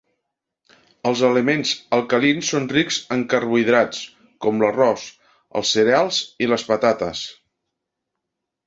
Els aliments alcalins són rics en carbohidrats, com l'arròs, els cereals i les patates.